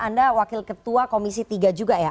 anda wakil ketua komisi tiga juga ya